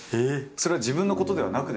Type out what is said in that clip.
それは自分のことではなくてですか？